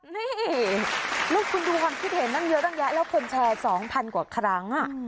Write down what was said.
นี่ลูกคุณดูความคิดเห็นตั้งเยอะตั้งแยะแล้วคนแชร์๒๐๐กว่าครั้ง